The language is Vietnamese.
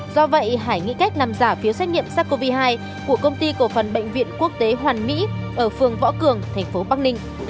do vậy hải nghị kết làm giả phiếu xét nghiệm sars cov hai của công ty cổ phần bệnh viện quốc tế hoàn mỹ ở phường võ cường thành phố bắc ninh